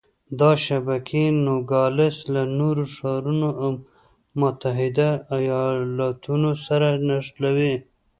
دا شبکې نوګالس له نورو ښارونو او متحده ایالتونو سره نښلوي.